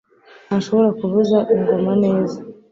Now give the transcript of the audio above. ntashobora kuvuza ingoma neza